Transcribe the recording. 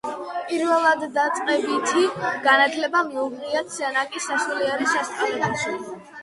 პირველდაწყებითი განათლება მიუღია სენაკის სასულიერო სასწავლებელში.